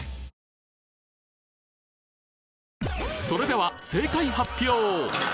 それでは正解発表！